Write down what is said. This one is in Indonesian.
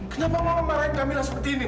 kenapa mama marahin kamila seperti ini ma